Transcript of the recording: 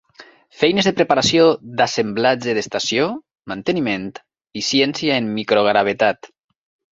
Feines de preparació d'assemblatge d'estació, manteniment i ciència en micro-gravetat.